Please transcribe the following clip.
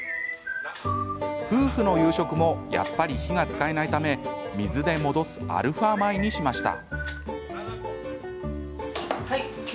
夫婦の夕食もやっぱり火が使えないため水で戻すアルファ米にしました。